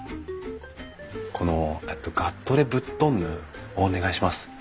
この「ガットレブットンヌ」をお願いします。